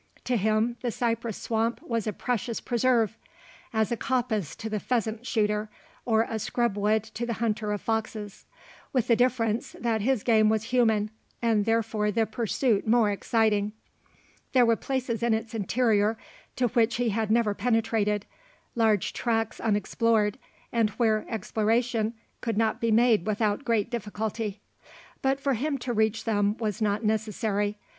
To him the cypress swamp was a precious preserve as a coppice to the pheasant shooter, or a scrub wood to the hunter of foxes. With the difference, that his game was human, and therefore the pursuit more exciting. There were places in its interior to which he had never penetrated large tracts unexplored, and where exploration could not be made without great difficulty. But for him to reach them was not necessary.